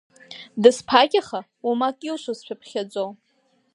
Дазԥагьаха, уамак илшозшәа ԥхьаӡо.